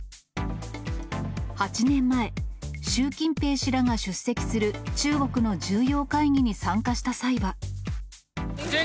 ８年前、習近平氏らが出席する中国の重要会議に参加した際は。